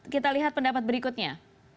kita lihat pendapat berikutnya